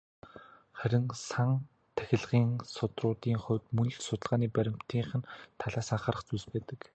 Харин "сан тахилгын судруудын" хувьд мөн л судалгааны баримтынх нь талаас анхаарах зүйлс байдаг.